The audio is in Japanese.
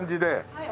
はい。